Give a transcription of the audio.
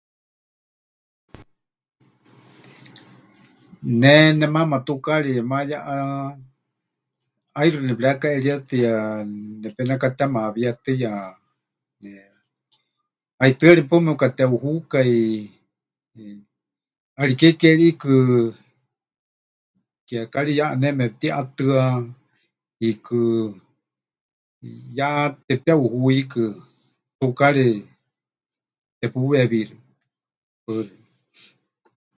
Ne nemaama tukaarieya mayéʼa ʼaixɨ nepɨrekaʼerietɨya, nepenekatemaawíetɨya, haitɨari paɨ mepɨkateʼuhukai, ʼariké ke ri ʼiikɨ kiekari ya ʼaneme pɨtiʼatɨa, hiikɨ ya tepɨteʼuhu hiikɨ, tukaari tepuweewíxime. Paɨ xeikɨ́a.